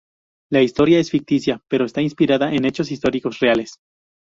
La historia es ficticia, pero está inspirada en hechos históricos reales.